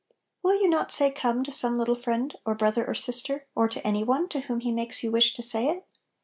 Will you not say " Come " to some lit tle friend or brother or sister, or to any one to whom He makes you wish to say it